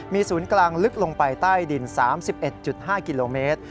มีศูนย์กลางลึกลงไปใต้ดิน๓๑๕กิโลเมตร